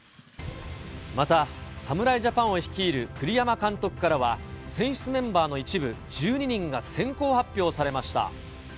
また、侍ジャパンを率いる栗山監督からは、選出メンバーの一部、１２人が先行発表されました。